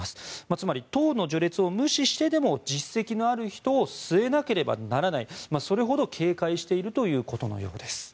つまり、党の序列を無視してでも実績のある人を据えなければならないそれほど警戒しているということのようです。